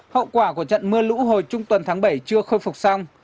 hậu quả của trận mưa lũ hồi trung tuần tháng bảy chưa khôi phục xong